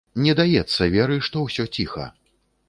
Не даецца веры, што ўсё ціха.